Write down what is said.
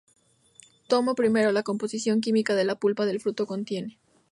Tomo I", la composición química de la pulpa del fruto contiene.